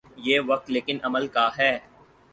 یہ وقت لیکن عمل کا ہے۔